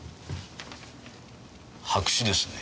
白紙ですね。